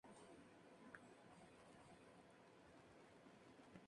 Los polacos fueron conducidos por Tadeusz Kościuszko.